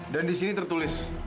dan disini tertulis